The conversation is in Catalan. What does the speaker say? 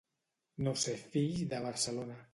No ser fill de Barcelona.